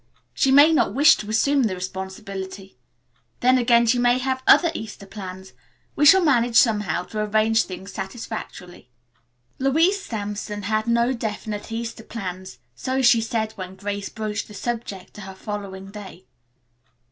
She may not wish to assume the responsibility. Then again she may have other Easter plans. We shall manage, somehow, to arrange things satisfactorily." Louise Sampson had no definite Easter plans, so she said, when Grace broached the subject to her the following day.